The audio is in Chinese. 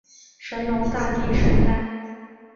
神农大帝圣诞